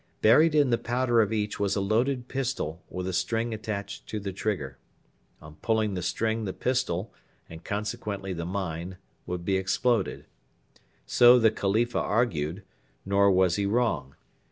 Buried in the powder of each was a loaded pistol with a string attached to the trigger. On pulling the string the pistol, and consequently the mine, would be exploded. So the Khalifa argued; nor was he wrong.